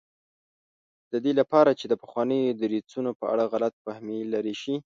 د دې لپاره چې د پخوانیو دریځونو په اړه غلط فهمي لرې شي.